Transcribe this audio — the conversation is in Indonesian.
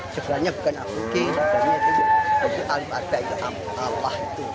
sebenarnya bukan abge jadi alif arba itu alif arba